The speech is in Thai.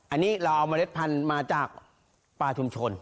อันนี้เราเอาเมล็ดพันธุ์มาจากปลาชุมชน